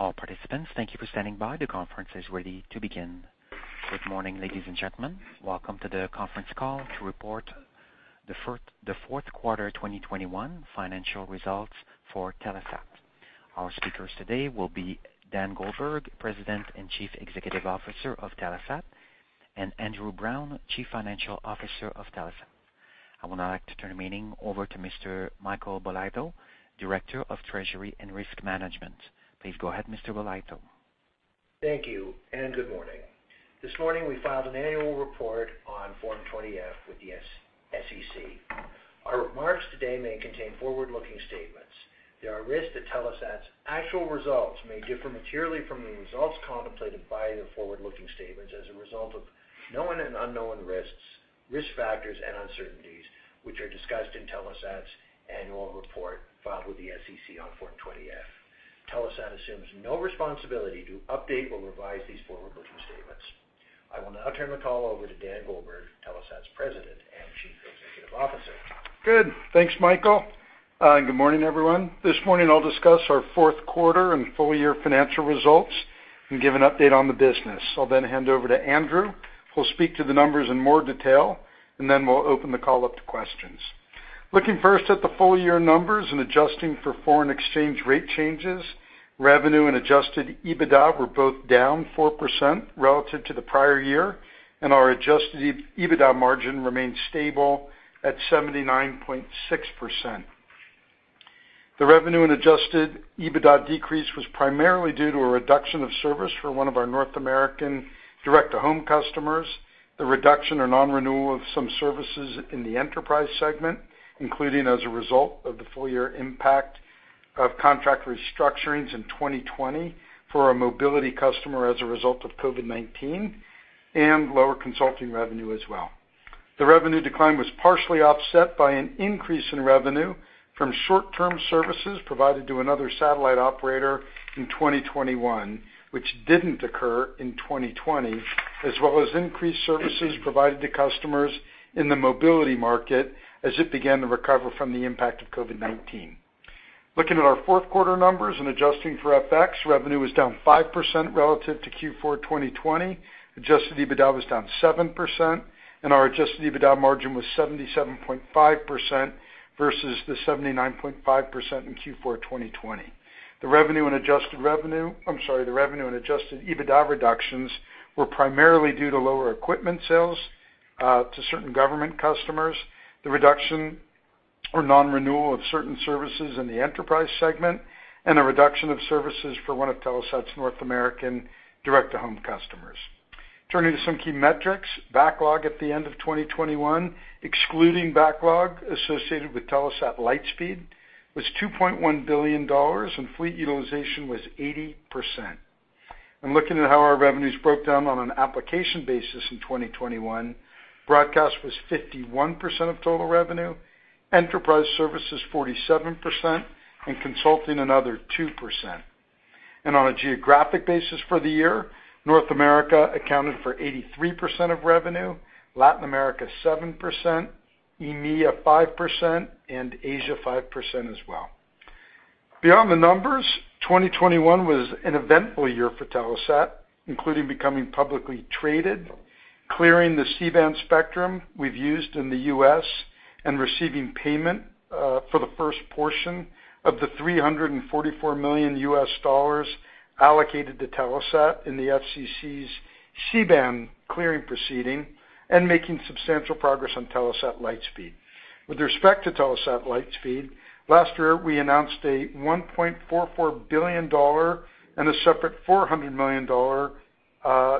All participants, thank you for standing by. The conference is ready to begin. Good morning, ladies and gentlemen. Welcome to the conference call to report the fourth quarter 2021 financial results for Telesat. Our speakers today will be Dan Goldberg, President and Chief Executive Officer of Telesat, and Andrew Browne, Chief Financial Officer of Telesat. I would now like to turn the meeting over to Mr. Michael Bolitho, Director of Treasury and Risk Management. Please go ahead, Mr. Bolitho. Thank you, and good morning. This morning, we filed an annual report on Form 20-F with the SEC. Our remarks today may contain forward-looking statements. There are risks that Telesat's actual results may differ materially from the results contemplated by the forward-looking statements as a result of known and unknown risks, risk factors, and uncertainties, which are discussed in Telesat's annual report filed with the SEC on Form 20-F. Telesat assumes no responsibility to update or revise these forward-looking statements. I will now turn the call over to Dan Goldberg, Telesat's President and Chief Executive Officer. Good. Thanks, Michael. Good morning, everyone. This morning, I'll discuss our fourth quarter and full year financial results and give an update on the business. I'll then hand over to Andrew, who'll speak to the numbers in more detail, and then we'll open the call up to questions. Looking first at the full year numbers and adjusting for foreign exchange rate changes, revenue and adjusted EBITDA were both down 4% relative to the prior year, and our adjusted EBITDA margin remained stable at 79.6%. The revenue and adjusted EBITDA decrease was primarily due to a reduction of service for one of our North American direct to home customers, the reduction or non-renewal of some services in the enterprise segment, including as a result of the full year impact of contract restructurings in 2020 for our mobility customer as a result of COVID-19, and lower consulting revenue as well. The revenue decline was partially offset by an increase in revenue from short-term services provided to another satellite operator in 2021, which didn't occur in 2020, as well as increased services provided to customers in the mobility market as it began to recover from the impact of COVID-19. Looking at our fourth quarter numbers and adjusting for FX, revenue was down 5% relative to Q4 2020. Adjusted EBITDA was down 7%, and our adjusted EBITDA margin was 77.5% versus the 79.5% in Q4 2020. The revenue and adjusted EBITDA reductions were primarily due to lower equipment sales to certain government customers, the reduction or non-renewal of certain services in the enterprise segment, and a reduction of services for one of Telesat's North American direct to home customers. Turning to some key metrics, backlog at the end of 2021, excluding backlog associated with Telesat Lightspeed, was 2.1 billion dollars, and fleet utilization was 80%. Looking at how our revenues broke down on an application basis in 2021, broadcast was 51% of total revenue, enterprise services 47%, and consulting another 2%. On a geographic basis for the year, North America accounted for 83% of revenue, Latin America 7%, EMEA 5%, and Asia 5% as well. Beyond the numbers, 2021 was an eventful year for Telesat, including becoming publicly traded, clearing the C-band spectrum we've used in the U.S., and receiving payment for the first portion of the $344 million allocated to Telesat in the FCC's C-band clearing proceeding and making substantial progress on Telesat Lightspeed. With respect to Telesat Lightspeed, last year, we announced a 1.44 billion dollar and a separate 400 million dollar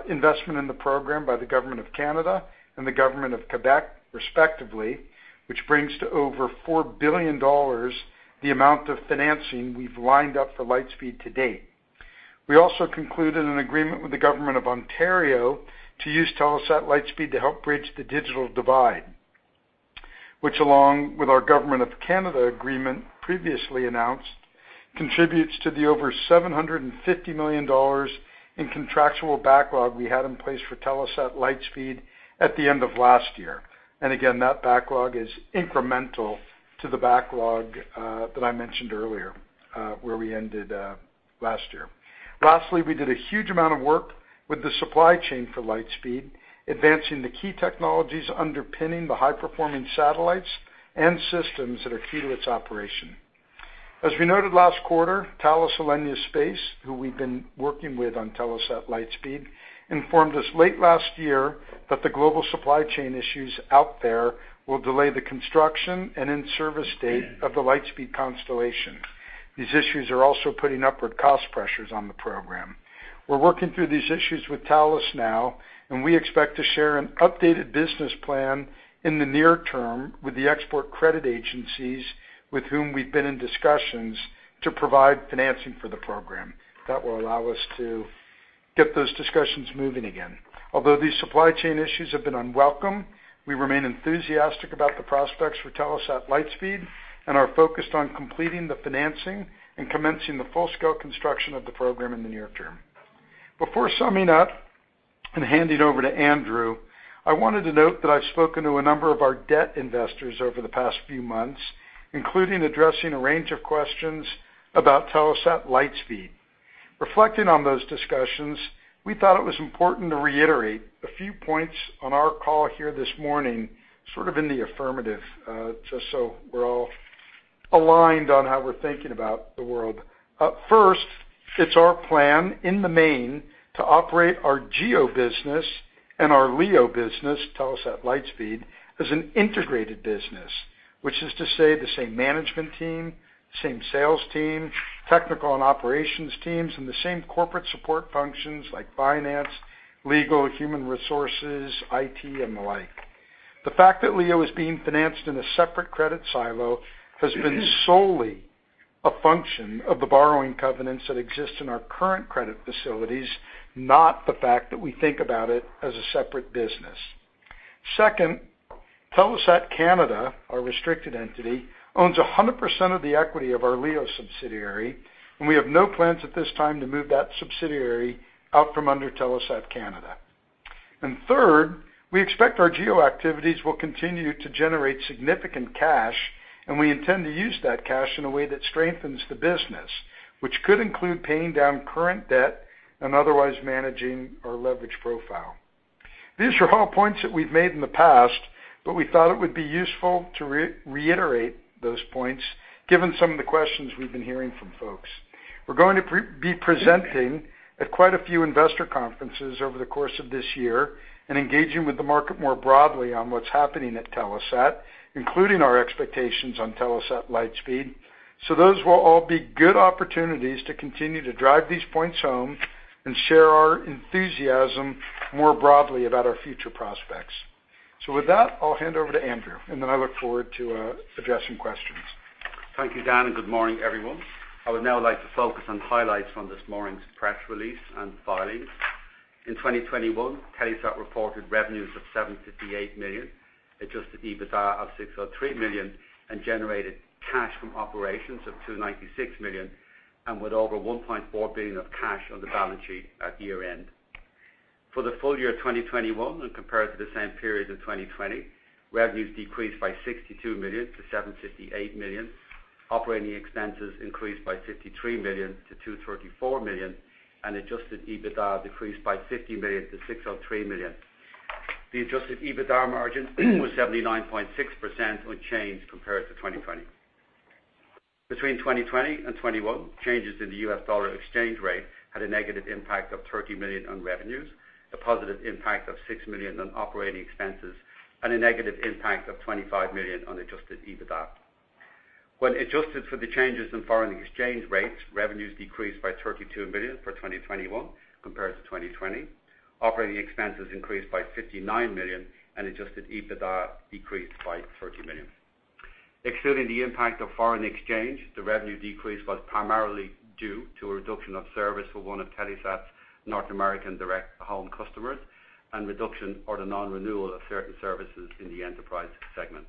investment in the program by the Government of Canada and the government of Quebec, respectively, which brings to over 4 billion dollars the amount of financing we've lined up for Lightspeed to date. We also concluded an agreement with the Government of Ontario to use Telesat Lightspeed to help bridge the digital divide, which, along with our government of Canada agreement previously announced, contributes to the over 750 million dollars in contractual backlog we had in place for Telesat Lightspeed at the end of last year. Again, that backlog is incremental to the backlog that I mentioned earlier, where we ended last year. Lastly, we did a huge amount of work with the supply chain for Lightspeed, advancing the key technologies underpinning the high-performing satellites and systems that are key to its operation. As we noted last quarter, Thales Alenia Space, who we've been working with on Telesat Lightspeed, informed us late last year that the global supply chain issues out there will delay the construction and in-service date of the Lightspeed constellation. These issues are also putting upward cost pressures on the program. We're working through these issues with Thales now, and we expect to share an updated business plan in the near term with the export credit agencies with whom we've been in discussions to provide financing for the program. That will allow us to get those discussions moving again. Although these supply chain issues have been unwelcome, we remain enthusiastic about the prospects for Telesat Lightspeed and are focused on completing the financing and commencing the full-scale construction of the program in the near term. Before summing up and handing over to Andrew, I wanted to note that I've spoken to a number of our debt investors over the past few months, including addressing a range of questions about Telesat Lightspeed. Reflecting on those discussions, we thought it was important to reiterate a few points on our call here this morning, sort of in the affirmative, just so we're all aligned on how we're thinking about the world. First, it's our plan in the main to operate our GEO business and our LEO business, Telesat Lightspeed, as an integrated business. Which is to say, the same management team, same sales team, technical and operations teams, and the same corporate support functions like finance, legal, human resources, IT, and the like. The fact that LEO is being financed in a separate credit silo has been solely a function of the borrowing covenants that exist in our current credit facilities, not the fact that we think about it as a separate business. Second, Telesat Canada, our restricted entity, owns 100% of the equity of our LEO subsidiary, and we have no plans at this time to move that subsidiary out from under Telesat Canada. Third, we expect our GEO activities will continue to generate significant cash, and we intend to use that cash in a way that strengthens the business, which could include paying down current debt and otherwise managing our leverage profile. These are all points that we've made in the past, but we thought it would be useful to reiterate those points given some of the questions we've been hearing from folks. We're going to be presenting at quite a few investor conferences over the course of this year and engaging with the market more broadly on what's happening at Telesat, including our expectations on Telesat Lightspeed. those will all be good opportunities to continue to drive these points home and share our enthusiasm more broadly about our future prospects. With that, I'll hand over to Andrew, and then I look forward to addressing questions. Thank you, Dan, and good morning, everyone. I would now like to focus on highlights from this morning's press release and filings. In 2021, Telesat reported revenues of 758 million, adjusted EBITDA of 603 million, and generated cash from operations of 296 million, and with over 1.4 billion of cash on the balance sheet at year-end. For the full year of 2021, and compared to the same period in 2020, revenues decreased by 62 million to 758 million. Operating expenses increased by 53 million to 234 million, and adjusted EBITDA decreased by 50 million to 603 million. The adjusted EBITDA margin was 79.6%, unchanged compared to 2020. Between 2020 and 2021, changes in the U.S. dollar exchange rate had a negative impact of 30 million on revenues, a positive impact of 6 million on operating expenses, and a negative impact of 25 million on adjusted EBITDA. When adjusted for the changes in foreign exchange rates, revenues decreased by 32 million for 2021 compared to 2020. Operating expenses increased by 59 million, and adjusted EBITDA decreased by 30 million. Excluding the impact of foreign exchange, the revenue decrease was primarily due to a reduction of service for one of Telesat's North American direct home customers and reduction or the non-renewal of certain services in the enterprise segment.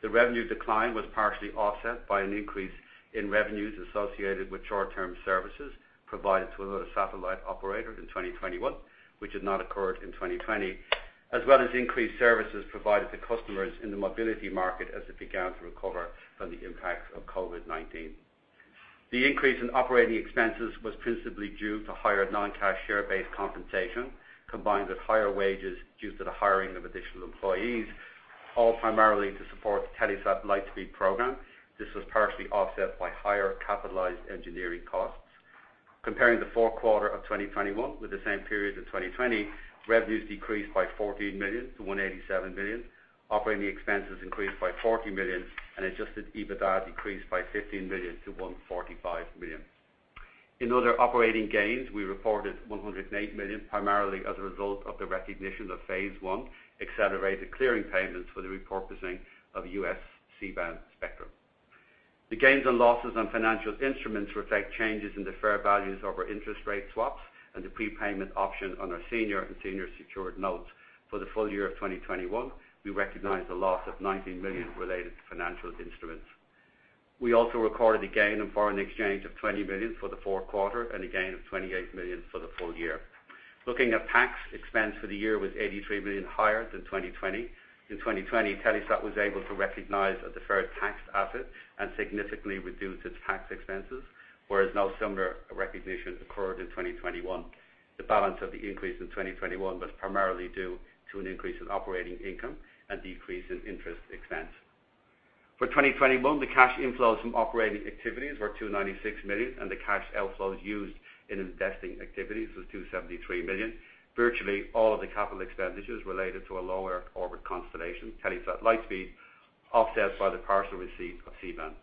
The revenue decline was partially offset by an increase in revenues associated with short-term services provided to a satellite operator in 2021, which had not occurred in 2020, as well as increased services provided to customers in the mobility market as it began to recover from the impacts of COVID-19. The increase in operating expenses was principally due to higher non-cash share-based compensation, combined with higher wages due to the hiring of additional employees, all primarily to support the Telesat Lightspeed program. This was partially offset by higher capitalized engineering costs. Comparing the fourth quarter of 2021 with the same period of 2020, revenues decreased by 14 million to 187 million. Operating expenses increased by 40 million, and adjusted EBITDA decreased by 15 million to 145 million. In other operating gains, we reported $108 million, primarily as a result of the recognition of phase one accelerated clearing payments for the repurposing of U.S. C-band spectrum. The gains and losses on financial instruments reflect changes in the fair values of our interest rate swaps and the prepayment option on our senior and senior secured notes. For the full year of 2021, we recognized a loss of 19 million related to financial instruments. We also recorded a gain in foreign exchange of 20 million for the fourth quarter and a gain of 28 million for the full year. Looking at tax expense for the year was 83 million higher than 2020. In 2020, Telesat was able to recognize a deferred tax asset and significantly reduced its tax expenses, whereas no similar recognition occurred in 2021. The balance of the increase in 2021 was primarily due to an increase in operating income and decrease in interest expense. For 2021, the cash inflows from operating activities were 296 million, and the cash outflows used in investing activities was 273 million, virtually all of the capital expenditures related to a low-Earth orbit constellation, Telesat Lightspeed, offset by the partial receipt of C-band.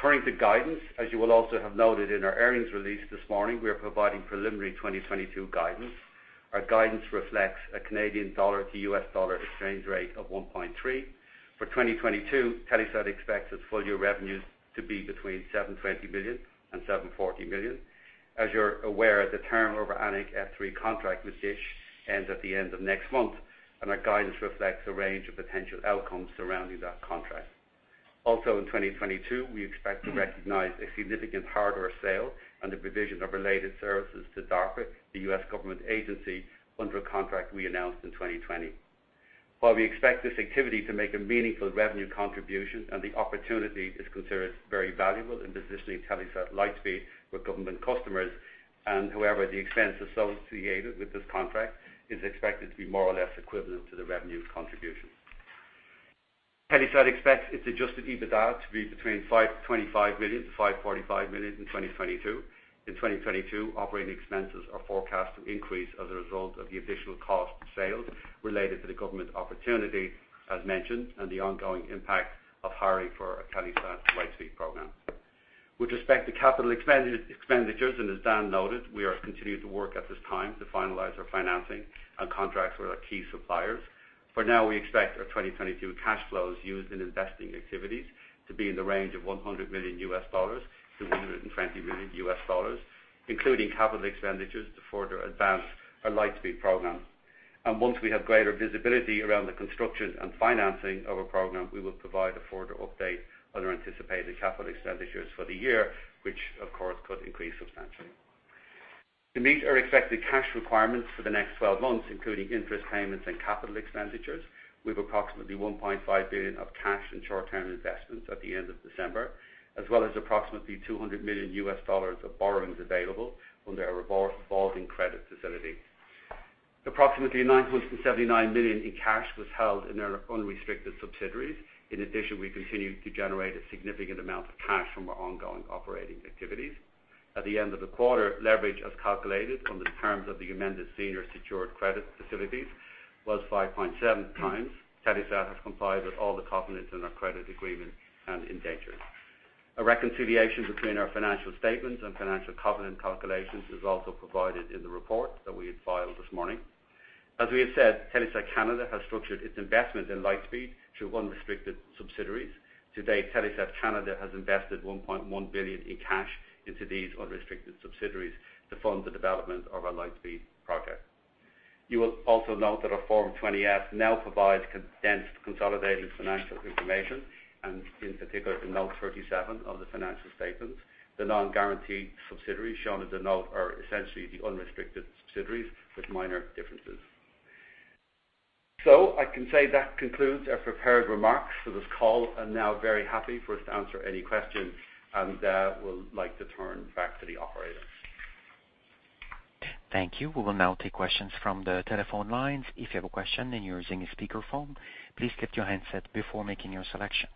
Turning to guidance, as you will also have noted in our earnings release this morning, we are providing preliminary 2022 guidance. Our guidance reflects a Canadian dollar to US dollar exchange rate of 1.3. For 2022, Telesat expects its full-year revenues to be between 720 million and 740 million. As you're aware, the term over Anik F3 contract with Dish ends at the end of next month, and our guidance reflects a range of potential outcomes surrounding that contract. Also in 2022, we expect to recognize a significant hardware sale and the provision of related services to DARPA, the U.S. government agency, under a contract we announced in 2020. While we expect this activity to make a meaningful revenue contribution and the opportunity is considered very valuable in positioning Telesat Lightspeed with government customers, and however, the expense associated with this contract is expected to be more or less equivalent to the revenue contribution. Telesat expects its adjusted EBITDA to be between 525 million-545 million in 2022. In 2022, operating expenses are forecast to increase as a result of the additional cost of sales related to the government opportunity, as mentioned, and the ongoing impact of hiring for Telesat's Lightspeed program. With respect to capital expenditures, and as Dan noted, we are continuing to work at this time to finalize our financing and contracts with our key suppliers. For now, we expect our 2022 cash flows used in investing activities to be in the range of $100 million-$120 million, including capital expenditures to further advance our Lightspeed program. Once we have greater visibility around the construction and financing of our program, we will provide a further update on our anticipated capital expenditures for the year, which of course could increase substantially. To meet our expected cash requirements for the next twelve months, including interest payments and capital expenditures, we have approximately 1.5 billion of cash and short-term investments at the end of December, as well as approximately $200 million of borrowings available from our revolving credit facility. Approximately 9.79 million in cash was held in our unrestricted subsidiaries. In addition, we continued to generate a significant amount of cash from our ongoing operating activities. At the end of the quarter, leverage, as calculated from the terms of the amended senior secured credit facilities, was 5.7 times. Telesat has complied with all the covenants in our credit agreement and indentures. A reconciliation between our financial statements and financial covenant calculations is also provided in the report that we had filed this morning. As we have said, Telesat Canada has structured its investment in Lightspeed through unrestricted subsidiaries. To date, Telesat Canada has invested 1.1 billion in cash into these unrestricted subsidiaries to fund the development of our Lightspeed project. You will also note that our Form 20-F now provides condensed consolidated financial information, and in particular, note 37 of the financial statements. The non-guaranteed subsidiaries shown in the note are essentially the unrestricted subsidiaries with minor differences. I can say that concludes our prepared remarks for this call. I'm now very happy for us to answer any questions, and would like to turn back to the operator. Thank you. We will now take questions from the telephone lines. If you have a question and you're using a speakerphone, please mute your handset before making your selection. If you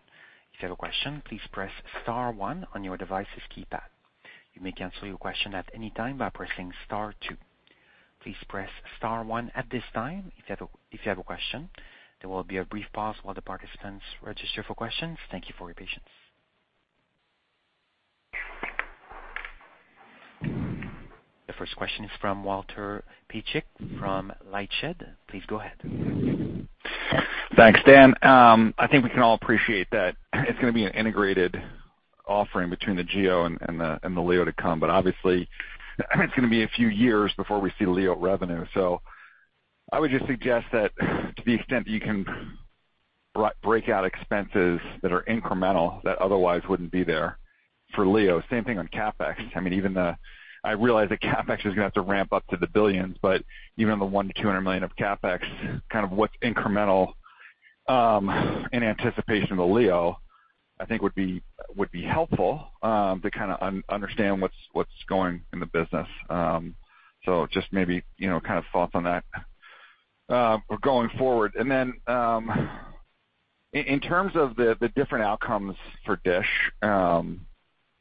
have a question, please press star one on your device's keypad. You may cancel your question at any time by pressing star two. Please press star one at this time if you have a question. There will be a brief pause while the participants register for questions. Thank you for your patience. The first question is from Walter Piecyk from LightShed. Please go ahead. Thanks, Dan. I think we can all appreciate that it's gonna be an integrated offering between the GEO and the LEO to come. Obviously, it's gonna be a few years before we see LEO revenue. I would just suggest that to the extent that you can break out expenses that are incremental that otherwise wouldn't be there for LEO. Same thing on CapEx. I mean, I realize the CapEx is gonna have to ramp up to the billions, but even on the 100-200 million of CapEx, kind of what's incremental in anticipation of the LEO, I think would be helpful to kinda understand what's going in the business. Just maybe, you know, kind of thoughts on that going forward. In terms of the different outcomes for DISH,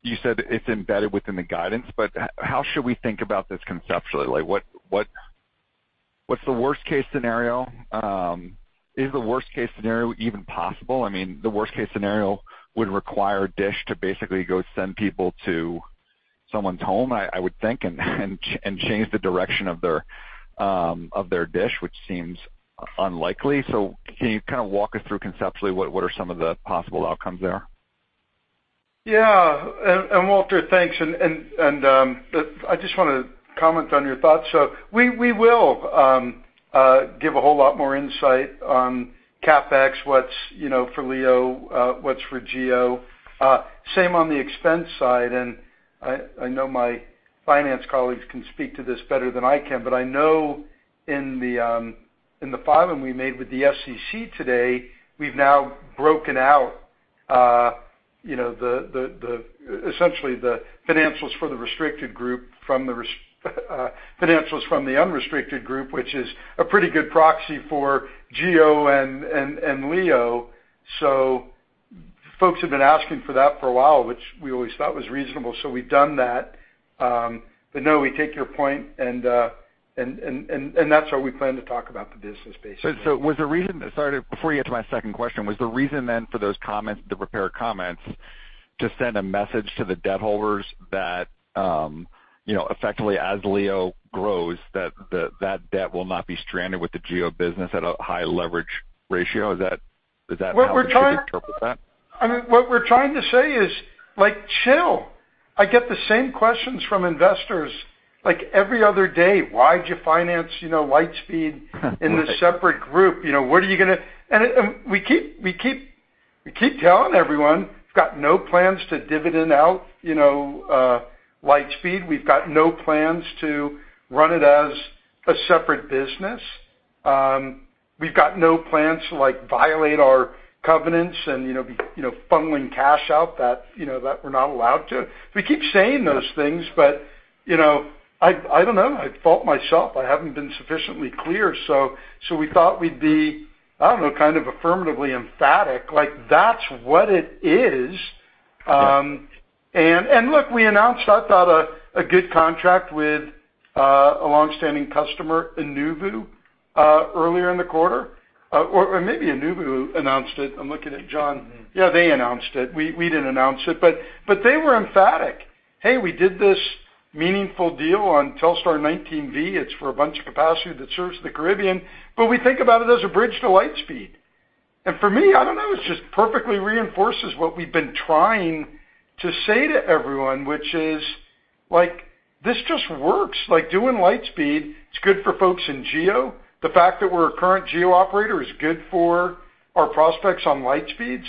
you said it's embedded within the guidance, but how should we think about this conceptually? Like, what's the worst-case scenario? Is the worst-case scenario even possible? I mean, the worst-case scenario would require DISH to basically go send people to someone's home, I would think, and change the direction of their DISH, which seems unlikely. Can you kind of walk us through conceptually what are some of the possible outcomes there? Yeah, Walter Piecyk, thanks. I just want to comment on your thoughts. We will give a whole lot more insight on CapEx, what's, you know, for LEO, what's for GEO. Same on the expense side. I know my finance colleagues can speak to this better than I can, but I know in the filing we made with the SEC today, we've now broken out, you know, essentially the financials for the restricted group from the financials from the unrestricted group, which is a pretty good proxy for GEO and LEO. Folks have been asking for that for a while, which we always thought was reasonable, so we've done that. No, we take your point, and that's how we plan to talk about the business basically. Sorry, before you get to my second question, was the reason then for those comments, the prepared comments, to send a message to the debt holders that, you know, effectively as LEO grows, that debt will not be stranded with the GEO business at a high leverage ratio? Is that how we should interpret that? I mean, what we're trying to say is, like, chill. I get the same questions from investors, like every other day. Why'd you finance, you know, Lightspeed in this separate group? We keep telling everyone we've got no plans to dividend out, you know, Lightspeed. We've got no plans to run it as a separate business. We've got no plans to, like, violate our covenants and, you know, be funneling cash out that, you know, that we're not allowed to. We keep saying those things, but, you know, I don't know, I fault myself. I haven't been sufficiently clear. We thought we'd be, I don't know, kind of affirmatively emphatic, like that's what it is. Look, we announced, I thought, a good contract with a long-standing customer, Anuvu, earlier in the quarter. Maybe Anuvu announced it. I'm looking at John. Yeah, they announced it. We didn't announce it, but they were emphatic. Hey, we did this meaningful deal on Telstar 19V. It's for a bunch of capacity that serves the Caribbean, but we think about it as a bridge to Lightspeed. For me, I don't know, it just perfectly reinforces what we've been trying to say to everyone, which is, like, this just works. Like, doing Lightspeed, it's good for folks in GEO. The fact that we're a current GEO operator is good for our prospects on Lightspeed.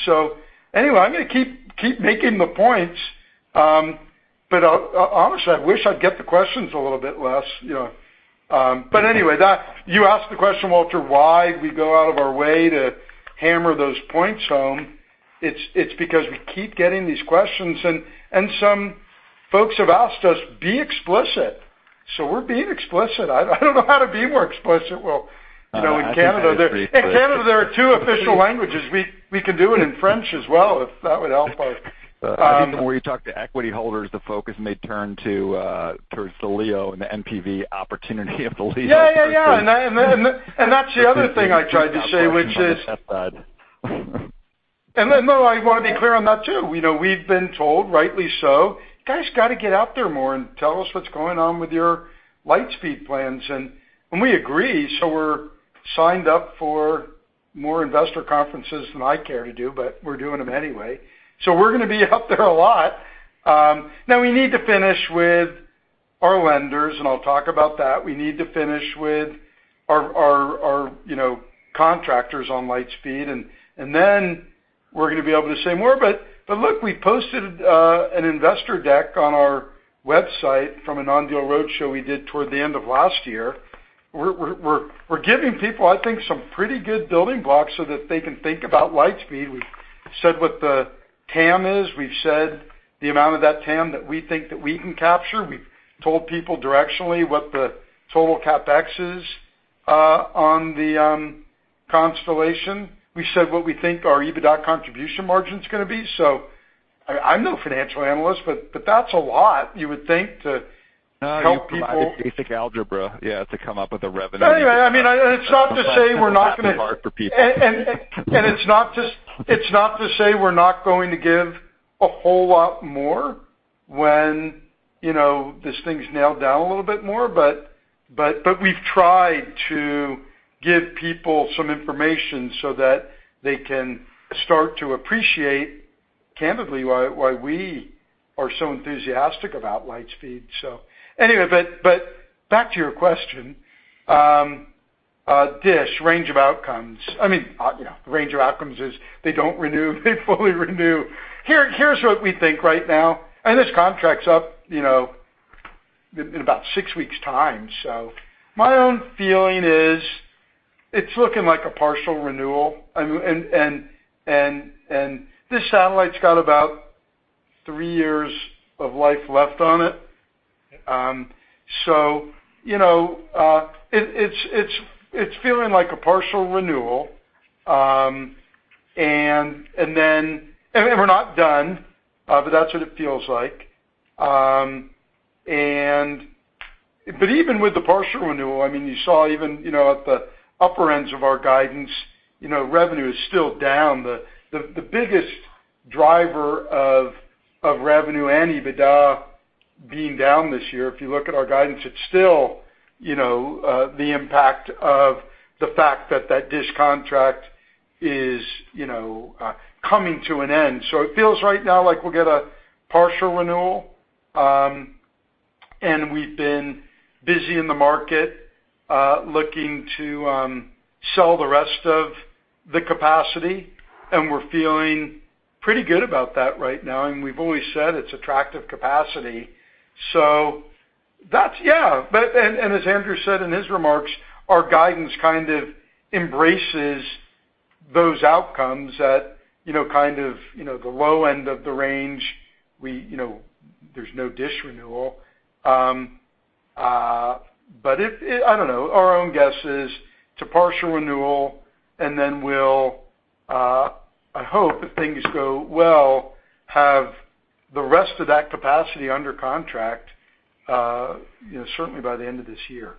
Anyway, I'm gonna keep making the points. But honestly, I wish I'd get the questions a little bit less, you know. But anyway, that you asked the question, Walter, why'd we go out of our way to hammer those points home. It's because we keep getting these questions, and some folks have asked us, "Be explicit." We're being explicit. I don't know how to be more explicit, well, you know, in Canada. I think that's pretty explicit. In Canada, there are two official languages. We can do it in French as well if that would help us. I think the more you talk to equity holders, the focus may turn towards the LEO and the NPV opportunity of the LEO first. Yeah, yeah. That's the other thing I tried to say. I wanna be clear on that too. You know, we've been told, rightly so, "You guys gotta get out there more and tell us what's going on with your Lightspeed plans." We agree, so we're signed up for more investor conferences than I care to do, but we're doing them anyway. We're gonna be out there a lot. Now we need to finish with our lenders, and I'll talk about that. We need to finish with our contractors on Lightspeed, and then we're gonna be able to say more. But look, we posted an investor deck on our website from a non-deal roadshow we did toward the end of last year. We're giving people, I think, some pretty good building blocks so that they can think about Lightspeed. We've said what the TAM is. We've said the amount of that TAM that we think that we can capture. We've told people directionally what the total CapEx is on the constellation. We said what we think our EBITDA contribution margin's gonna be. I'm no financial analyst, but that's a lot, you would think, to help people. No, you provided basic algebra, yeah, to come up with a revenue. Anyway, I mean, it's not to say we're not gonna. That's not too hard for people. It's not to say we're not going to give a whole lot more when, you know, this thing's nailed down a little bit more. We've tried to give people some information so that they can start to appreciate candidly why we are so enthusiastic about Lightspeed. Anyway, back to your question, DISH, range of outcomes. I mean, you know, range of outcomes is they don't renew, they fully renew. Here's what we think right now, and this contract's up, you know, in about six weeks' time. My own feeling is it's looking like a partial renewal. I mean, this satellite's got about three years of life left on it. You know, it's feeling like a partial renewal. We're not done, but that's what it feels like. Even with the partial renewal, I mean, you saw even, you know, at the upper ends of our guidance, you know, revenue is still down. The biggest driver of revenue and EBITDA being down this year, if you look at our guidance, it's still, you know, the impact of the fact that that DISH contract is, you know, coming to an end. It feels right now like we'll get a partial renewal, and we've been busy in the market, looking to sell the rest of the capacity, and we're feeling pretty good about that right now, and we've always said it's attractive capacity. That's. Yeah. As Andrew said in his remarks, our guidance kind of embraces those outcomes at, you know, kind of, you know, the low end of the range. We, you know, there's no DISH renewal. But I don't know. Our own guess is it's a partial renewal, and then we'll, I hope if things go well, have the rest of that capacity under contract, you know, certainly by the end of this year.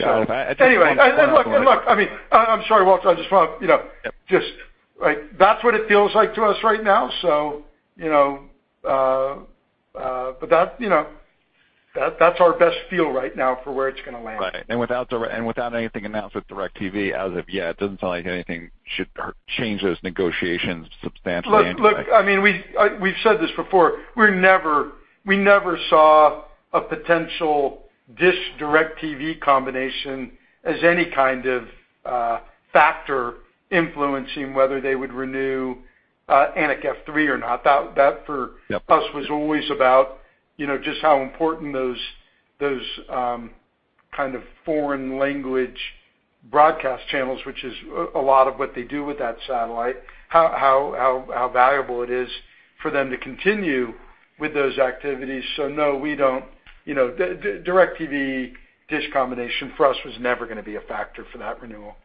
I think that's. Look, I mean, I'm sorry, Walter, I just wanna, you know, right. That's what it feels like to us right now. You know, but that, you know, that's our best feel right now for where it's gonna land. Right. Without anything announced with DirecTV as of yet, it doesn't sound like anything shouldn't change those negotiations substantially anyway. Look, I mean, we've said this before: we never saw a potential Dish/DirecTV combination as any kind of factor influencing whether they would renew Anik F3 or not. That for- Yep. For us was always about, you know, just how important those kind of foreign language broadcast channels, which is a lot of what they do with that satellite, how valuable it is for them to continue with those activities. No, we don't. You know, DirecTV-DISH combination for us was never gonna be a factor for that renewal.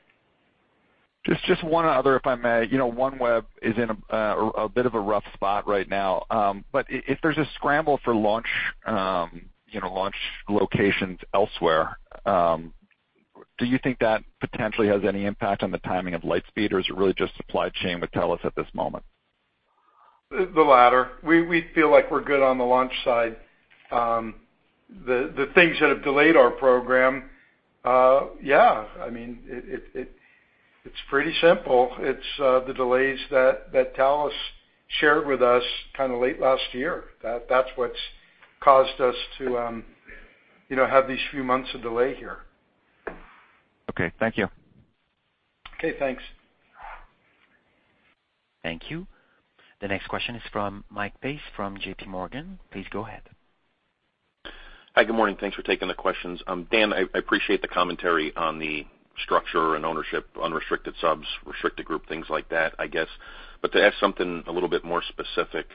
Just one other, if I may. You know, OneWeb is in a bit of a rough spot right now, but if there's a scramble for launch, you know, launch locations elsewhere, do you think that potentially has any impact on the timing of Lightspeed, or is it really just supply chain with Thales at this moment? The latter. We feel like we're good on the launch side. The things that have delayed our program, yeah, I mean, it's pretty simple. It's the delays that Thales shared with us kind of late last year. That's what's caused us to, you know, have these few months of delay here. Okay, thank you. Okay, thanks. Thank you. The next question is from Mike Pace from JPMorgan. Please go ahead. Hi, good morning. Thanks for taking the questions. Dan, I appreciate the commentary on the structure and ownership, unrestricted subs, restricted group, things like that, I guess. To ask something a little bit more specific,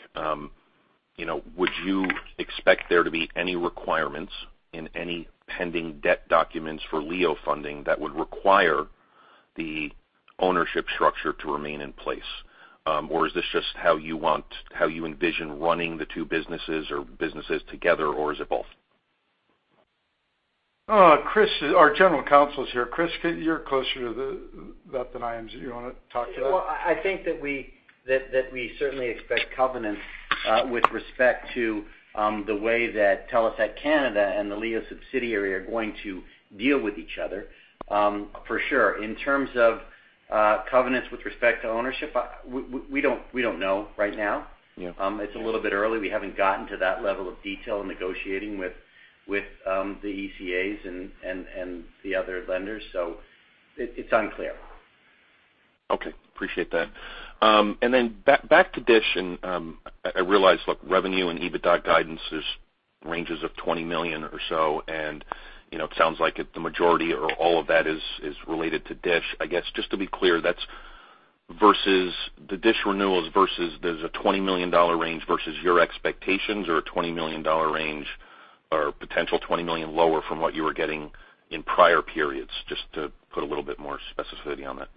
you know, would you expect there to be any requirements in any pending debt documents for LEO funding that would require the ownership structure to remain in place? Or is this just how you envision running the two businesses together, or is it both? Chris, our General Counsel is here. Chris, you're closer to that than I am. Do you wanna talk to that? Well, I think that we certainly expect covenants with respect to the way that Telesat Canada and the LEO subsidiary are going to deal with each other, for sure. In terms of covenants with respect to ownership, we don't know right now. Yeah. It's a little bit early. We haven't gotten to that level of detail in negotiating with the ECAs and the other lenders, so it's unclear. Okay. Appreciate that. Then back to DISH, and I realize, look, revenue and EBITDA guidance is ranges of $20 million or so, and you know, it sounds like the majority or all of that is related to DISH. I guess, just to be clear, that's versus the DISH renewals versus there's a $20 million range versus your expectations or a $20 million range or potential $20 million lower from what you were getting in prior periods, just to put a little bit more specificity on that.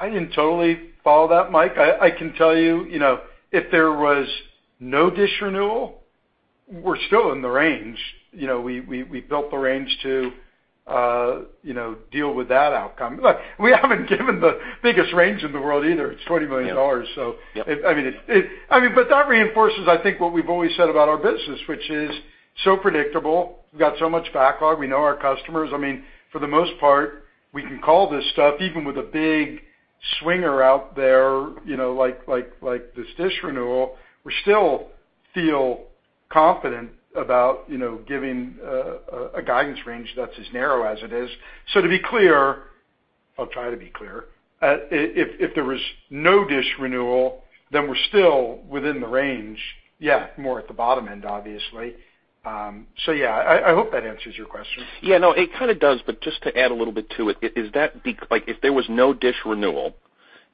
I didn't totally follow that, Mike. I can tell you know, if there was no DISH renewal, we're still in the range. You know, we built the range to you know, deal with that outcome. Look, we haven't given the biggest range in the world either. It's 20 million dollars. Yeah. I mean, but that reinforces, I think, what we've always said about our business, which is so predictable. We've got so much backlog. We know our customers. I mean, for the most part, we can call this stuff even with a big swinger out there, you know, like this DISH renewal. We still feel confident about, you know, giving a guidance range that's as narrow as it is. To be clear, I'll try to be clear, if there was no DISH renewal, then we're still within the range. Yeah, more at the bottom end, obviously. Yeah, I hope that answers your question. Yeah. No, it kind of does, but just to add a little bit to it, is that like, if there was no DISH renewal,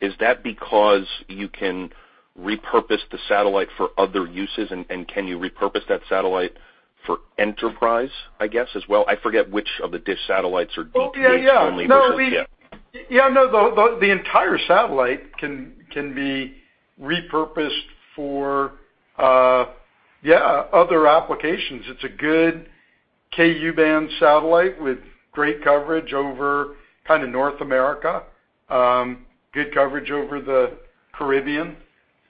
is that because you can repurpose the satellite for other uses? Can you repurpose that satellite for enterprise, I guess, as well? I forget which of the DISH satellites are DTH only versus- Oh, yeah. Yeah. No. The entire satellite can be repurposed for other applications. It's a good Ku-band satellite with great coverage over kind of North America, good coverage over the Caribbean.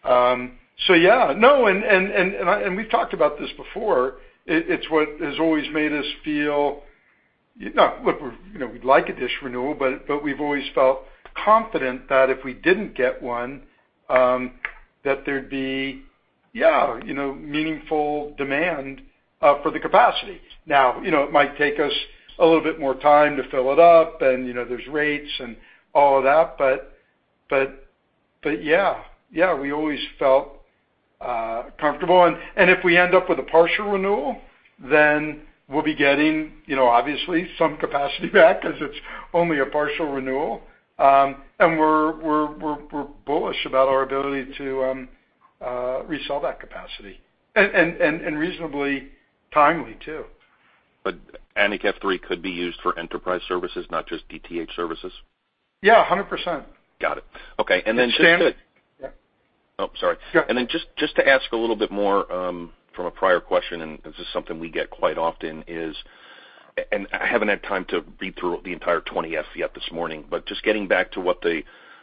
We've talked about this before. It's what has always made us feel. No, look, we're, you know, we'd like a DISH renewal, but we've always felt confident that if we didn't get one, that there'd be, you know, meaningful demand for the capacity. Now, you know, it might take us a little bit more time to fill it up, and, you know, there's rates and all of that, but yeah. Yeah, we always felt comfortable. If we end up with a partial renewal, then we'll be getting, you know, obviously some capacity back as it's only a partial renewal. We're bullish about our ability to resell that capacity and reasonably timely too. Anik F3 could be used for enterprise services, not just DTH services? Yeah, 100%. Got it. Okay. Stan? Yep. Oh, sorry. Yeah. Just to ask a little bit more from a prior question, and this is something we get quite often. I haven't had time to read through the entire Form 20-F yet this morning. Just getting back to what the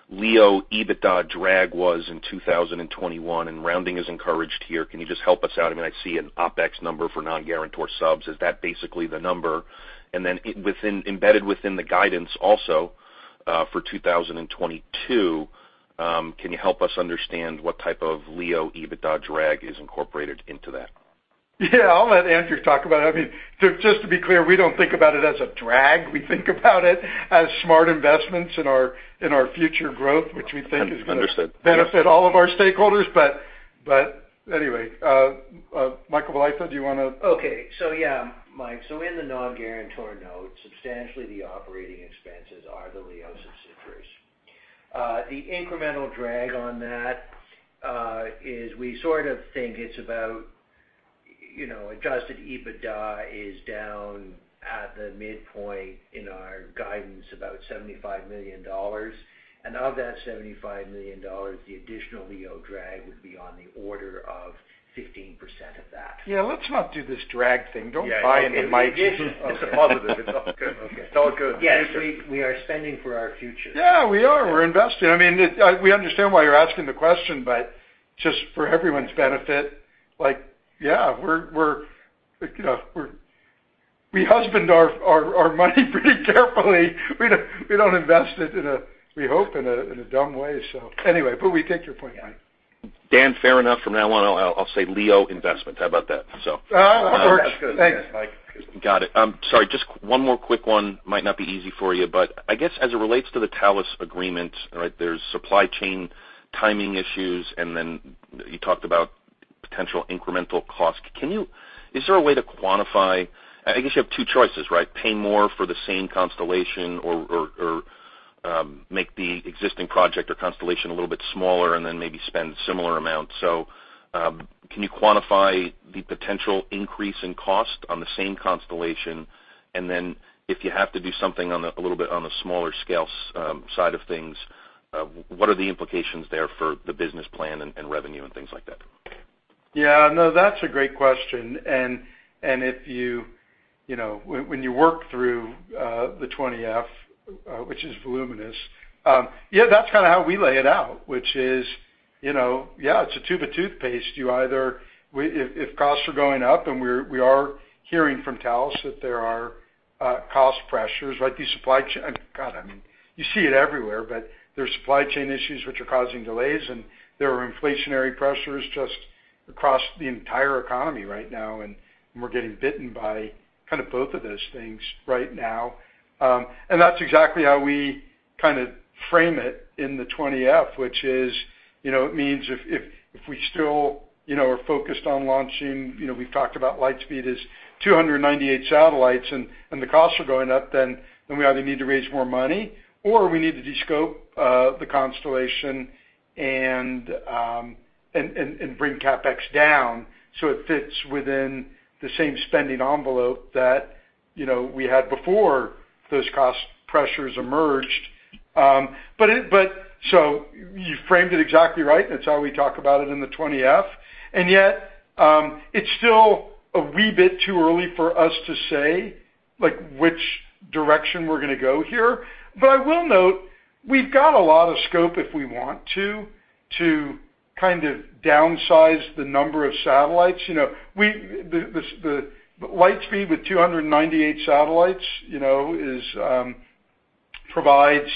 LEO EBITDA drag was in 2021, and rounding is encouraged here. Can you just help us out? I mean, I see an OpEx number for non-guarantor subs. Is that basically the number? Within embedded within the guidance also for 2022, can you help us understand what type of LEO EBITDA drag is incorporated into that? Yeah. I'll let Andrew talk about it. I mean, just to be clear, we don't think about it as a drag. We think about it as smart investments in our future growth, which we think is gonna- Understood. benefit all of our stakeholders. Anyway, Michael Bolitho, do you wanna... Okay. Yeah, Mike. In the non-guarantor note, substantially, the operating expenses are the LEOs, et cetera. The incremental drag on that is we sort of think it's about, you know, adjusted EBITDA is down at the midpoint in our guidance, about 75 million dollars. Of that 75 million dollars, the additional LEO drag would be on the order of 15% of that. Yeah, let's not do this drag thing. Don't buy into Mike. It's a positive. It's all good. Okay. It's all good. Yes, we are spending for our future. Yeah, we are. We're investing. I mean, we understand why you're asking the question, but just for everyone's benefit, like, yeah, we're, you know, we husband our money pretty carefully. We don't invest it in a dumb way, we hope. Anyway, we take your point, Mike. Dan, fair enough. From now on, I'll say LEO investment. How about that? That works. That's good. Thanks. Yeah, Mike. Got it. Sorry, just one more quick one. Might not be easy for you, but I guess as it relates to the Thales agreement, right, there are supply chain timing issues, and then you talked about potential incremental cost. Is there a way to quantify. I guess you have two choices, right? Pay more for the same constellation or make the existing project or constellation a little bit smaller and then maybe spend similar amounts. Can you quantify the potential increase in cost on the same constellation? And then if you have to do something a little bit on a smaller scale side of things, what are the implications there for the business plan and revenue and things like that? Yeah. No, that's a great question. If you know, when you work through the Form 20-F, which is voluminous, yeah, that's kinda how we lay it out, which is, you know, yeah, it's a tube of toothpaste. If costs are going up, and we're hearing from Thales that there are cost pressures, right? God, I mean, you see it everywhere, but there's supply chain issues which are causing delays, and there are inflationary pressures just across the entire economy right now, and we're getting bitten by kind of both of those things right now. That's exactly how we kind of frame it in the 20-F, which is, you know, it means if we still, you know, are focused on launching, you know, we've talked about Lightspeed as 298 satellites, and the costs are going up, then we either need to raise more money or we need to descope the constellation and bring CapEx down so it fits within the same spending envelope that, you know, we had before those cost pressures emerged. But you framed it exactly right, and it's how we talk about it in the 20-F. Yet, it's still a wee bit too early for us to say, like, which direction we're gonna go here. I will note, we've got a lot of scope if we want to kind of downsize the number of satellites. You know, Lightspeed with 298 satellites, you know, is provides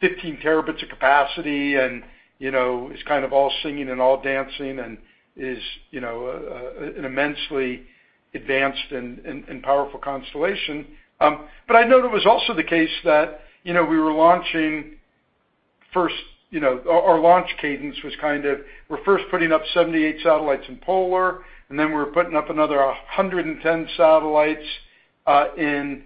15 terabits of capacity and, you know, is kind of all singing and all dancing and is, you know, an immensely advanced and powerful constellation. I know it was also the case that, you know, we were launching first, you know, our launch cadence was kind of, we're first putting up 78 satellites in polar, and then we're putting up another 110 satellites in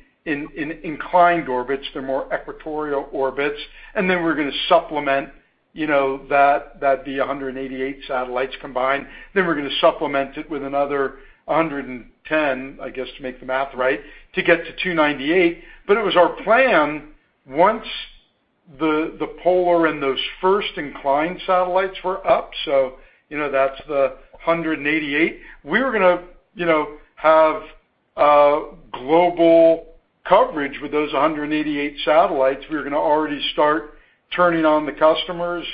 inclined orbits. They're more equatorial orbits. And then we're gonna supplement, you know, that'd be 188 satellites combined. We're gonna supplement it with another 110, I guess, to make the math right, to get to 298. It was our plan once the polar and those first inclined satellites were up. You know, that's the 188. We were gonna have global coverage with those 188 satellites. We were gonna already start turning on the customers,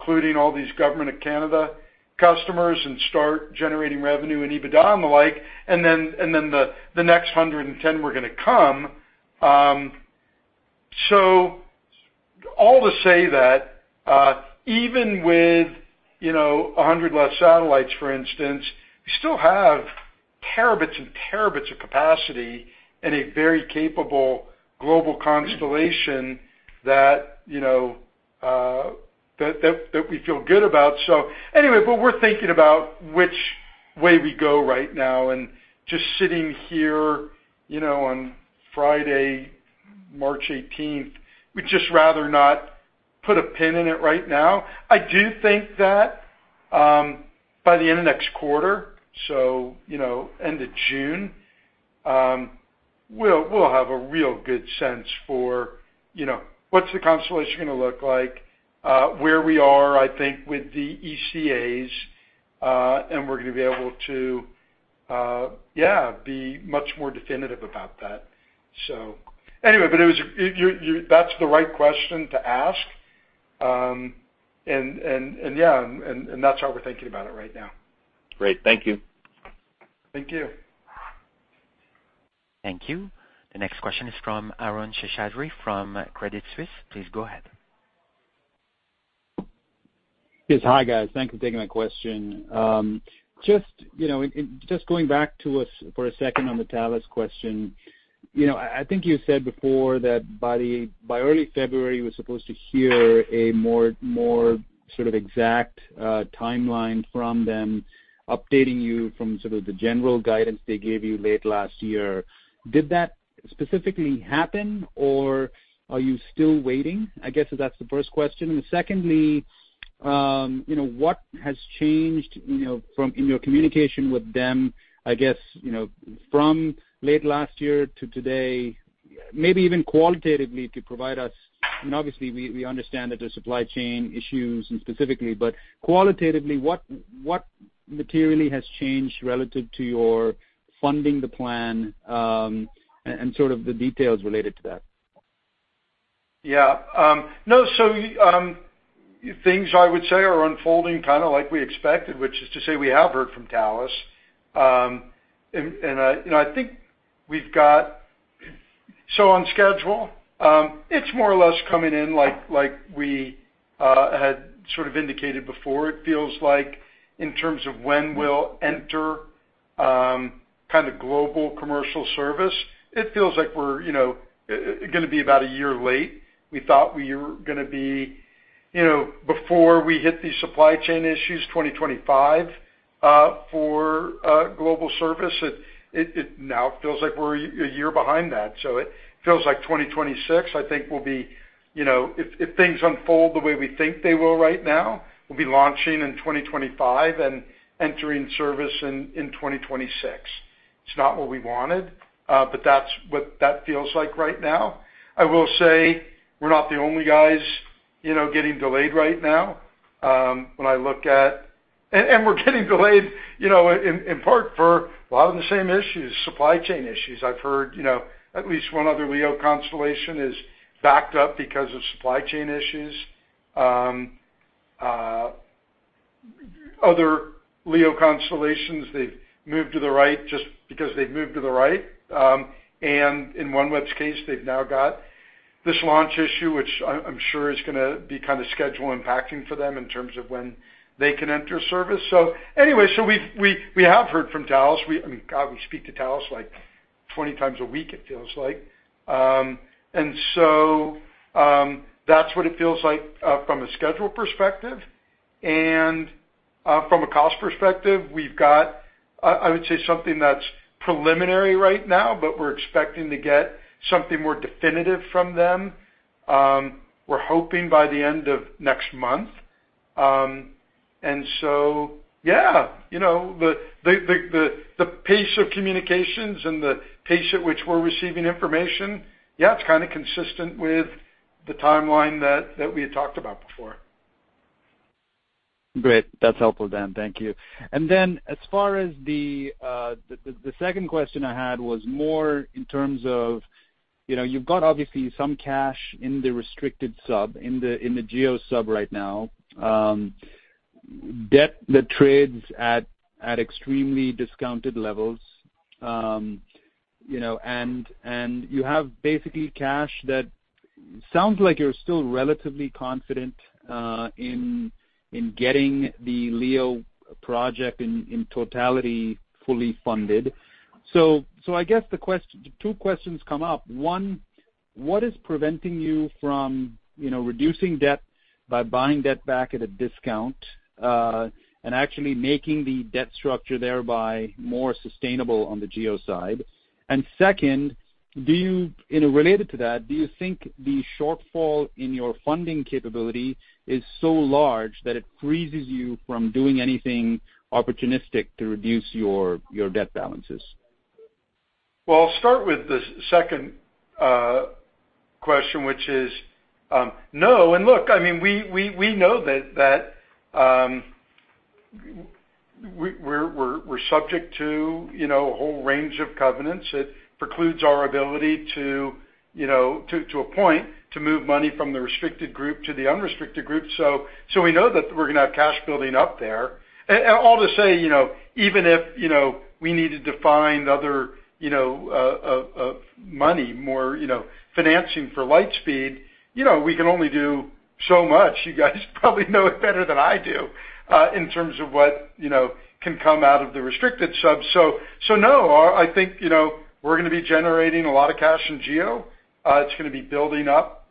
including all these Government of Canada customers, and start generating revenue and EBITDA and the like. The next 110 were gonna come. All to say that even with 100 less satellites, for instance, we still have terabits and terabits of capacity and a very capable global constellation that we feel good about. We're thinking about which way we go right now. Just sitting here, you know, on Friday, March eighteenth, we'd just rather not put a pin in it right now. I do think that by the end of next quarter, so, end of June, we'll have a real good sense for, you know, what's the constellation gonna look like, where we are, I think, with the ECAs, and we're gonna be able to be much more definitive about that. That's the right question to ask. That's how we're thinking about it right now. Great. Thank you. Thank you. Thank you. The next question is from Arun Seshadri from Credit Suisse. Please go ahead. Yes, hi guys. Thank you for taking my question. Just, you know, just going back to us for a second on the Thales question. You know, I think you said before that by early February, we're supposed to hear a more sort of exact timeline from them updating you from sort of the general guidance they gave you late last year. Did that specifically happen, or are you still waiting? I guess that's the first question. Secondly, you know, what has changed, you know, from in your communication with them, I guess, you know, from late last year to today, maybe even qualitatively to provide us. I mean, obviously, we understand that there's supply chain issues and specifically. Qualitatively, what materially has changed relative to your funding the plan, and sort of the details related to that? Things I would say are unfolding kinda like we expected, which is to say we have heard from Thales. And I, you know, I think we've got on schedule, it's more or less coming in like we had sort of indicated before. It feels like in terms of when we'll enter, kinda global commercial service, it feels like we're, you know, gonna be about a year late. We thought we were gonna be, you know, before we hit these supply chain issues, 2025, for global service. It now feels like we're a year behind that, so it feels like 2026, I think, will be. You know, if things unfold the way we think they will right now, we'll be launching in 2025 and entering service in 2026. It's not what we wanted, but that's what that feels like right now. I will say we're not the only guys, you know, getting delayed right now. We're getting delayed, you know, in part for a lot of the same issues, supply chain issues. I've heard, you know, at least one other LEO constellation is backed up because of supply chain issues. Other LEO constellations, they've moved to the right just because they've moved to the right. In OneWeb's case, they've now got this launch issue, which I'm sure is gonna be kinda schedule impacting for them in terms of when they can enter service. We've heard from Thales. I mean, God, we speak to Thales, like, 20 times a week, it feels like. That's what it feels like from a schedule perspective. From a cost perspective, we've got, I would say, something that's preliminary right now, but we're expecting to get something more definitive from them, we're hoping by the end of next month. Yeah, you know, the pace of communications and the pace at which we're receiving information, yeah, it's kinda consistent with the timeline that we had talked about before. Great. That's helpful, Dan. Thank you. As far as the second question I had was more in terms of, you know, you've got obviously some cash in the restricted sub, in the GEO sub right now, debt that trades at extremely discounted levels, you know, and you have basically cash that sounds like you're still relatively confident in getting the LEO project in totality, fully funded. I guess two questions come up. One, what is preventing you from, you know, reducing debt by buying debt back at a discount and actually making the debt structure thereby more sustainable on the GEO side? And second, do you... You know, related to that, do you think the shortfall in your funding capability is so large that it freezes you from doing anything opportunistic to reduce your debt balances? Well, I'll start with the second question, which is no. Look, I mean, we know that we're subject to you know a whole range of covenants that precludes our ability to you know to move money from the restricted group to the unrestricted group. We know that we're gonna have cash building up there. All to say, you know, even if you know we need to find other you know money, more you know financing for Lightspeed, you know we can only do so much. You guys probably know it better than I do in terms of what you know can come out of the restricted sub. No, I think you know we're gonna be generating a lot of cash in GEO. It's gonna be building up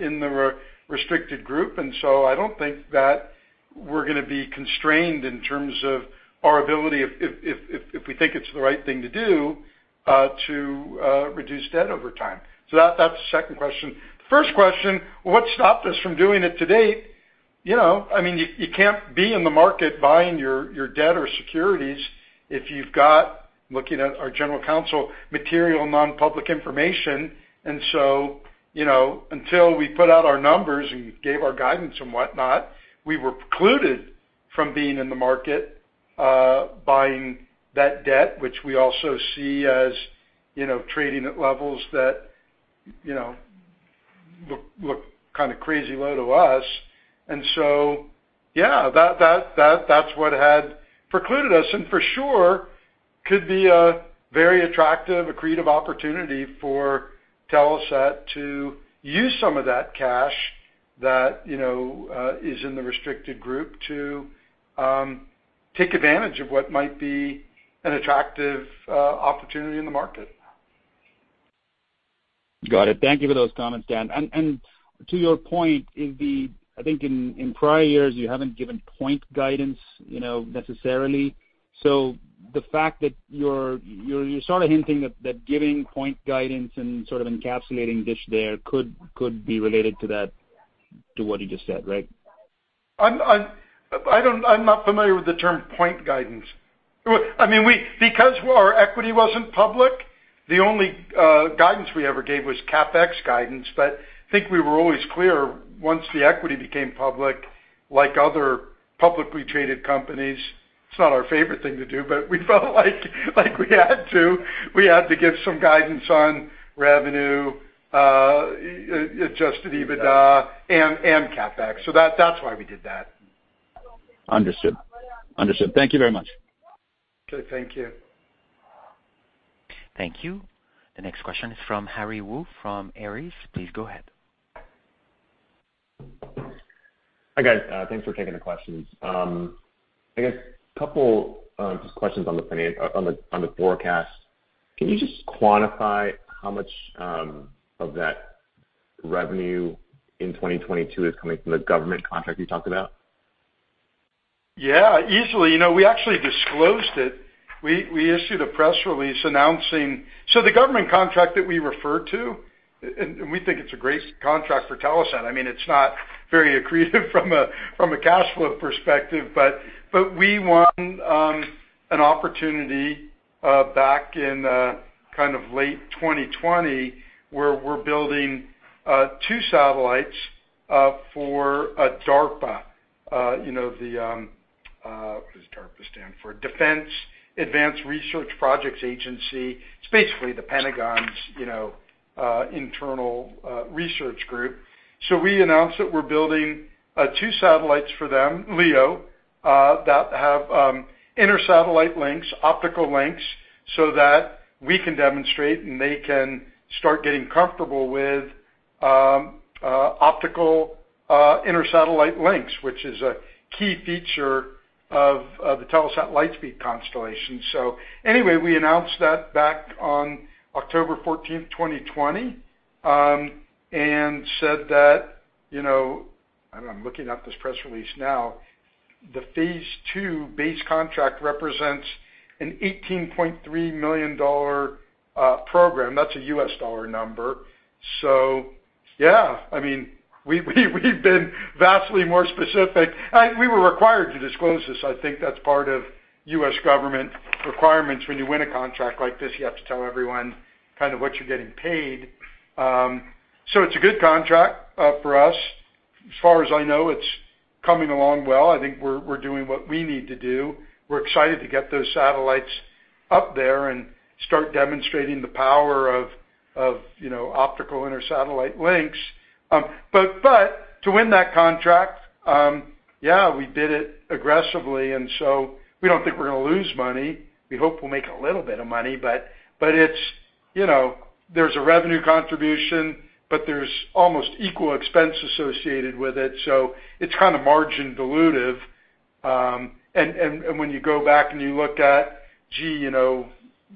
in the restricted group. I don't think that we're gonna be constrained in terms of our ability if we think it's the right thing to do to reduce debt over time. That's the second question. First question, what stopped us from doing it to date? You know, I mean, you can't be in the market buying your debt or securities if you've got, looking at our general counsel, material non-public information. You know, until we put out our numbers and gave our guidance and whatnot, we were precluded from being in the market buying that debt, which we also see as, you know, trading at levels that, you know, look kind of crazy low to us. Yeah, that's what had precluded us. For sure could be a very attractive, accretive opportunity for Telesat to use some of that cash that, you know, is in the restricted group to take advantage of what might be an attractive opportunity in the market. Got it. Thank you for those comments, Dan. To your point, I think in prior years, you haven't given point guidance, you know, necessarily. The fact that you're sort of hinting that giving point guidance and sort of encapsulating DISH there could be related to that, to what you just said, right? I'm not familiar with the term point guidance. Well, I mean, because our equity wasn't public, the only guidance we ever gave was CapEx guidance. I think we were always clear once the equity became public, like other publicly traded companies, it's not our favorite thing to do, but we felt like we had to give some guidance on revenue, adjusted EBITDA and CapEx. That's why we did that. Understood. Thank you very much. Okay, thank you. Thank you. The next question is from Harry Wu from Ares. Please go ahead. Hi, guys. Thanks for taking the questions. I guess a couple just questions on the forecast. Can you just quantify how much of that revenue in 2022 is coming from the government contract you talked about? Yeah, easily. You know, we actually disclosed it. We issued a press release announcing the government contract that we referred to, and we think it's a great contract for Telesat. I mean, it's not very accretive from a cash flow perspective, but we won an opportunity back in kind of late 2020, where we're building two satellites for DARPA. You know, what does DARPA stand for? Defense Advanced Research Projects Agency. It's basically the Pentagon's you know internal research group. We announced that we're building two satellites for them, LEO, that have intersatellite links, optical links, so that we can demonstrate, and they can start getting comfortable with optical intersatellite links, which is a key feature of the Telesat Lightspeed constellation. Anyway, we announced that back on October 14, 2020, and said that, you know, I don't know, I'm looking at this press release now. The phase two base contract represents an $18.3 million program. That's a U.S. dollar number. Yeah, I mean, we've been vastly more specific. We were required to disclose this. I think that's part of U.S. government requirements. When you win a contract like this, you have to tell everyone kind of what you're getting paid. It's a good contract for us. As far as I know, it's coming along well. I think we're doing what we need to do. We're excited to get those satellites up there and start demonstrating the power of you know, optical intersatellite links. To win that contract, yeah, we did it aggressively, and so we don't think we're gonna lose money. We hope we'll make a little bit of money, but it's, you know, there's a revenue contribution, but there's almost equal expense associated with it, so it's kind of margin dilutive. When you go back and you look at, gee, you know,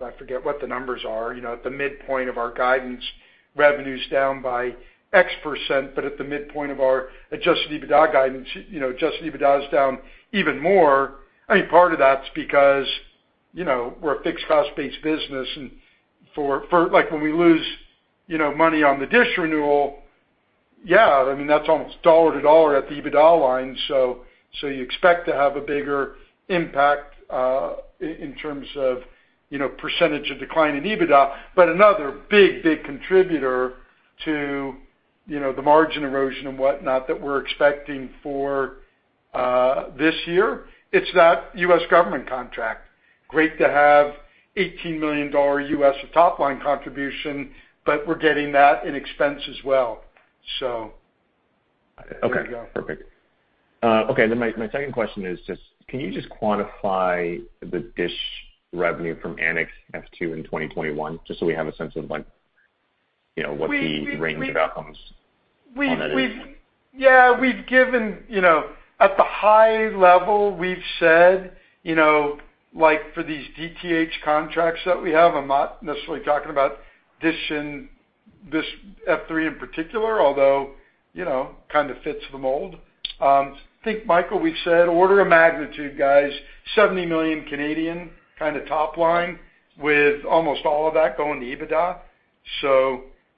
I forget what the numbers are, you know, at the midpoint of our guidance, revenue's down by X%, but at the midpoint of our adjusted EBITDA guidance, you know, adjusted EBITDA is down even more. I think part of that's because, you know, we're a fixed cost-based business. Like, when we lose, you know, money on the DISH renewal, yeah, I mean, that's almost dollar to dollar at the EBITDA line. You expect to have a bigger impact in terms of, you know, percentage of decline in EBITDA. Another big contributor to, you know, the margin erosion and whatnot that we're expecting for this year, it's that U.S. government contract. Great to have $18 million of top line contribution, but we're getting that in expense as well. There you go. Okay, perfect. Okay, then my second question is just, can you just quantify the DISH revenue from Anik F2 in 2021, just so we have a sense of, like, you know, what the range of outcomes on that is? We've given, you know, at the high level, we've said, you know, like, for these DTH contracts that we have. I'm not necessarily talking about Dish and this F3 in particular, although, you know, kind of fits the mold. I think, Michael, we've said order of magnitude, guys, 70 million, kind of top line, with almost all of that going to EBITDA.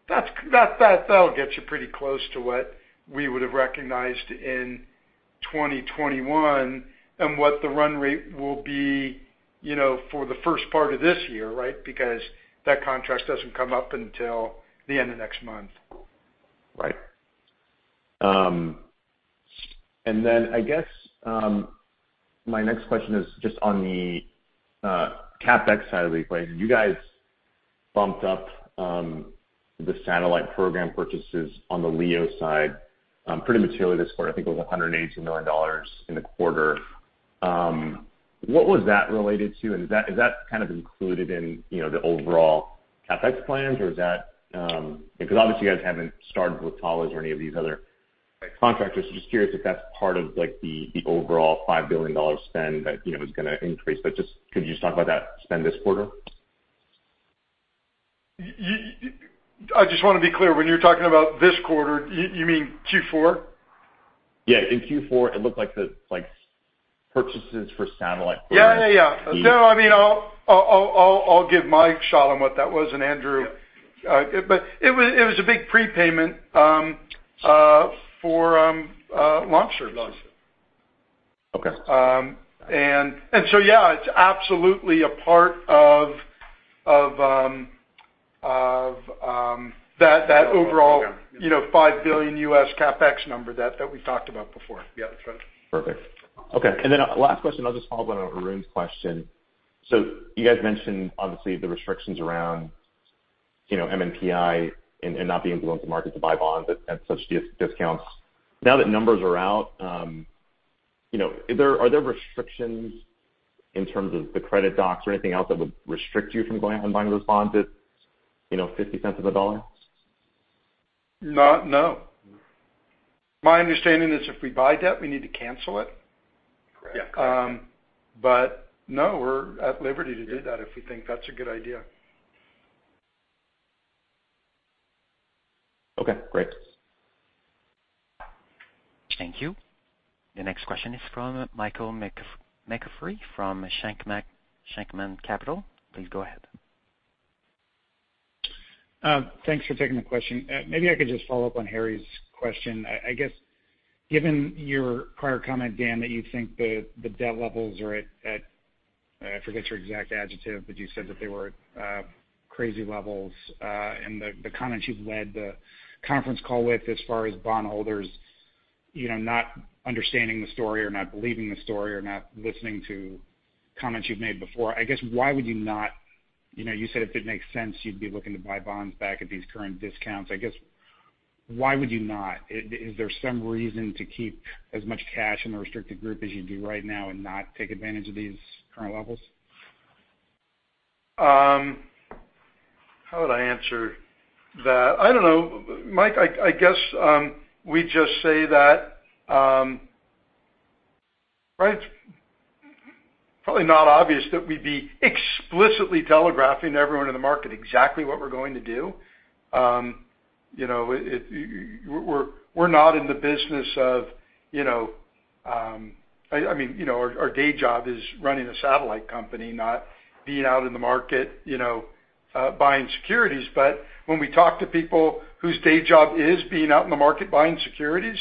That'll get you pretty close to what we would have recognized in 2021 and what the run rate will be, you know, for the first part of this year, right? Because that contract doesn't come up until the end of next month. Right. I guess my next question is just on the CapEx side of the equation. You guys bumped up the satellite program purchases on the LEO side pretty materially this quarter. I think it was 182 million dollars in the quarter. What was that related to? Is that kind of included in you know the overall CapEx plans or is that? Because obviously you guys haven't started with Thales or any of these other contractors. Just curious if that's part of like the overall 5 billion dollars spend that you know is gonna increase. Just could you talk about that spend this quarter? I just wanna be clear, when you're talking about this quarter, you mean Q4? Yeah. In Q4, it looked like the, like purchases for satellite were- Yeah. No, I mean, I'll give Michael Bolitho what that was, and Andrew. Yeah. It was a big prepayment for launcher. Launcher. Okay. Yeah, it's absolutely a part of that overall. Overall, yeah. $5 billion CapEx number that we talked about before. Yeah, that's right. Perfect. Okay. Last question, I'll just follow up on Arun's question. You guys mentioned obviously the restrictions around, you know, MNPI and not being able to go into market to buy bonds at such discounts. Now that numbers are out, you know, are there restrictions in terms of the credit docs or anything else that would restrict you from going out and buying those bonds at, you know, 50 cents of a dollar? No. My understanding is if we buy debt, we need to cancel it. Correct. Yeah. No, we're at liberty to do that if we think that's a good idea. Okay, great. Thank you. The next question is from Michael McCaffrey from Shenkman Capital. Please go ahead. Thanks for taking the question. Maybe I could just follow up on Harry's question. I guess, given your prior comment, Dan, that you think the debt levels are at, I forget your exact adjective, but you said that they were at crazy levels, and the comments you've led the conference call with as far as bond holders, you know, not understanding the story or not believing the story or not listening to comments you've made before. I guess why would you not, you know, you said if it makes sense, you'd be looking to buy bonds back at these current discounts. I guess why would you not? Is there some reason to keep as much cash in the restricted group as you do right now and not take advantage of these current levels? How would I answer that? I don't know. Mike, I guess we just say that, right? Probably not obvious that we'd be explicitly telegraphing everyone in the market exactly what we're going to do. You know, we're not in the business of, you know, I mean, you know, our day job is running a satellite company, not being out in the market, you know, buying securities. But when we talk to people whose day job is being out in the market buying securities,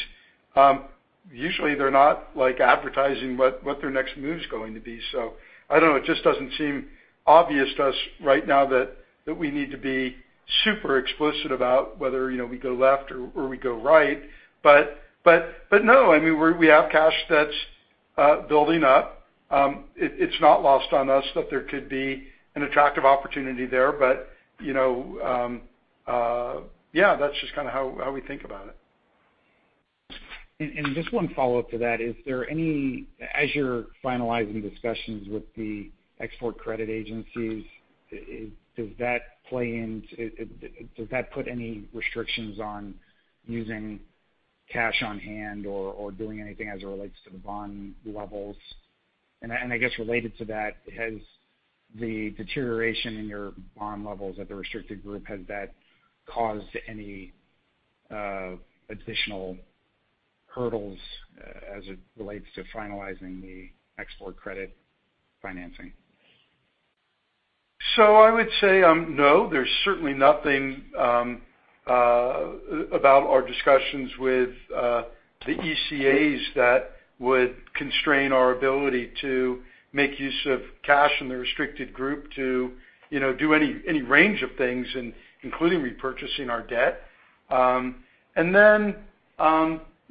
usually they're not like advertising what their next move is going to be. So I don't know. It just doesn't seem obvious to us right now that we need to be super explicit about whether, you know, we go left or we go right. No, I mean, we have cash that's building up. It's not lost on us that there could be an attractive opportunity there. You know, yeah, that's just kinda how we think about it. Just one follow-up to that. As you're finalizing discussions with the export credit agencies, does that put any restrictions on using cash on hand or doing anything as it relates to the bond levels? I guess related to that, has the deterioration in your bond levels at the restricted group caused any additional hurdles as it relates to finalizing the export credit financing? I would say no, there's certainly nothing about our discussions with the ECAs that would constrain our ability to make use of cash in the restricted group to, you know, do any range of things, including repurchasing our debt.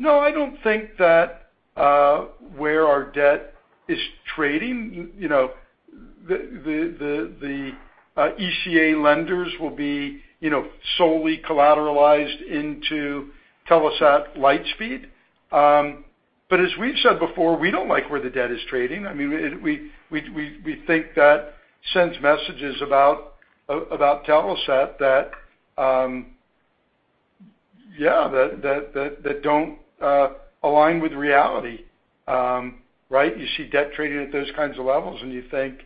No, I don't think that where our debt is trading, you know, the ECA lenders will be, you know, solely collateralized into Telesat Lightspeed. As we've said before, we don't like where the debt is trading. I mean, we think that sends messages about Telesat that, yeah, that don't align with reality. Right? You see debt trading at those kinds of levels, and you think,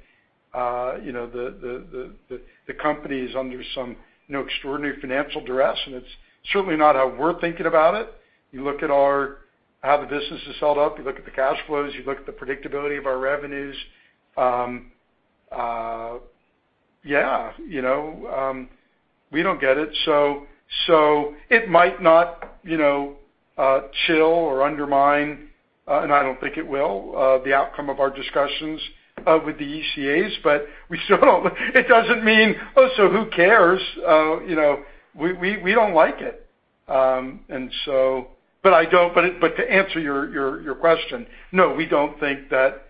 you know, the company is under some, you know, extraordinary financial duress. It's certainly not how we're thinking about it. You look at how the business is held up, you look at the cash flows, you look at the predictability of our revenues, yeah, you know, we don't get it. It might not, you know, chill or undermine, and I don't think it will, the outcome of our discussions with the ECAs. We still, it doesn't mean, "Oh, so who cares?" You know, we don't like it. To answer your question, no, we don't think that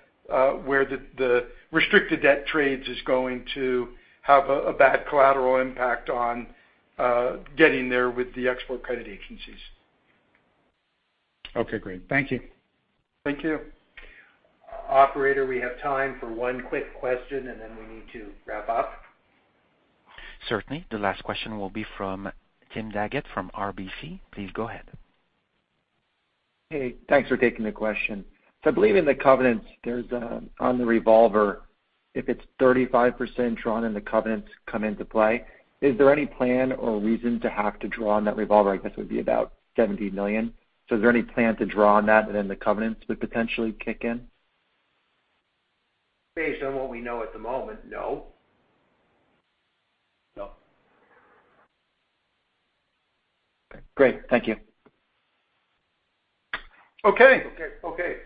where the restricted debt trades is going to have a bad collateral impact on getting there with the export credit agencies. Okay, great. Thank you. Thank you. Operator, we have time for one quick question, and then we need to wrap up. Certainly. The last question will be from Tim Farrar from TMF Associates. Please go ahead. Hey, thanks for taking the question. I believe in the covenants, there's, on the revolver, if it's 35% drawn and the covenants come into play, is there any plan or reason to have to draw on that revolver? I guess it would be about 70 million. Is there any plan to draw on that and then the covenants would potentially kick in? Based on what we know at the moment, no. No. Okay, great. Thank you. Okay. Okay. Okay.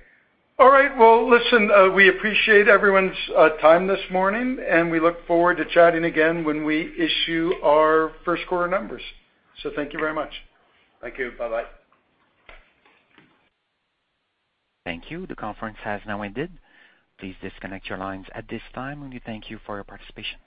All right. Well, listen, we appreciate everyone's time this morning, and we look forward to chatting again when we issue our first quarter numbers. Thank you very much. Thank you. Bye-bye. Thank you. The conference has now ended. Please disconnect your lines at this time. We thank you for your participation.